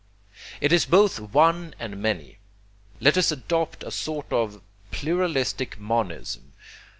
It is both one and many let us adopt a sort of pluralistic monism.